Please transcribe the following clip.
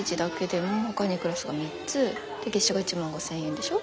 で月謝が１万５，０００円でしょ。